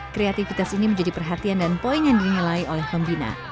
kreativitas ini menjadi perhatian dan poin yang dinilai oleh pembina